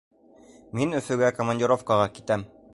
Мин Өфөгә командировкаға китәм